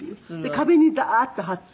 壁にダーって貼って。